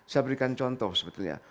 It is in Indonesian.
saya berikan contoh sebetulnya